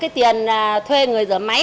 cái tiền thuê người rửa máy